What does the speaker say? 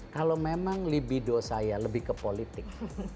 kalau memang libido saya lebih ke politik